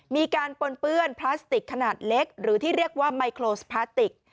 ปนเปื้อนพลาสติกขนาดเล็กหรือที่เรียกว่าไมโครสพลาสติก